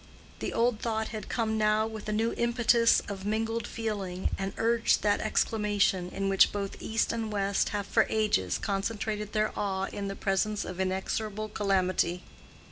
The old thought had come now with a new impetus of mingled feeling, and urged that exclamation in which both East and West have for ages concentrated their awe in the presence of inexorable calamity.